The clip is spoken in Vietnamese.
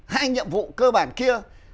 hai nhiệm vụ cơ bản kia